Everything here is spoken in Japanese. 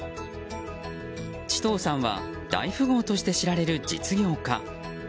チトーさんは大富豪として知られる実業家。